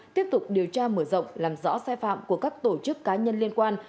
tiếp tục điều tra mở rộng làm rõ sai phạm của các tổ chức cá nhân liên quan